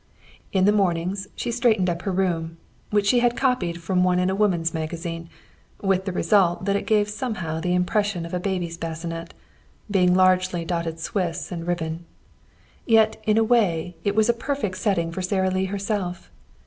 In the mornings she straightened up her room, which she had copied from one in a woman's magazine, with the result that it gave somehow the impression of a baby's bassinet, being largely dotted Swiss and ribbon. Yet in a way it was a perfect setting for Sara Lee herself.